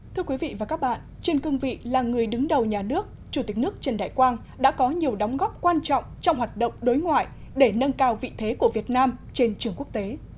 thưa quý vị và các bạn trên cương vị là người đứng đầu nhà nước chủ tịch nước trần đại quang đã có nhiều đóng góp quan trọng trong hoạt động đối ngoại để nâng cao vị thế của việt nam trên trường quốc tế